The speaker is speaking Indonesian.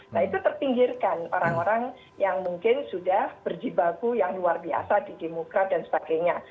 nah itu terpinggirkan orang orang yang mungkin sudah berjibaku yang luar biasa di demokrat dan sebagainya